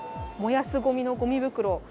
燃やすごみのごみ袋。